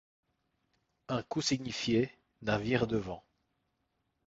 Un coup signifiait : navire devant.